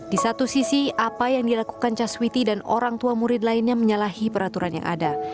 di satu sisi apa yang dilakukan caswiti dan orang tua murid lainnya menyalahi peraturan yang ada